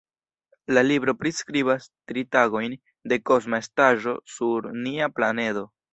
La libro priskribas tri tagojn de kosma estaĵo sur nia planedo.